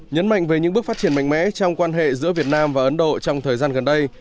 nhấn mạnh về những bước phát triển mạnh mẽ trong quan hệ giữa việt nam và ấn độ trong thời gian gần đây